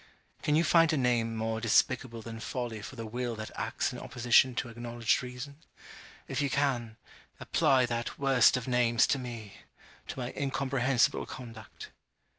Can you find a name more despicable than folly for the will that acts in opposition to acknowledged reason? If you can apply that worst of names to me to my incomprehensible conduct.